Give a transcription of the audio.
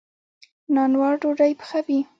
نانوا ډوډۍ پخوي.